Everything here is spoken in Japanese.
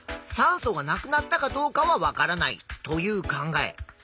酸素がなくなったかどうかは分からないという考え。